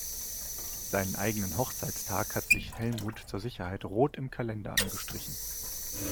Seinen eigenen Hochzeitstag hat sich Helmut zur Sicherheit rot im Kalender angestrichen.